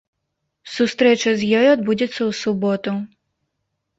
Сустрэча з ёй адбудзецца ў суботу.